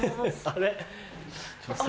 あれ？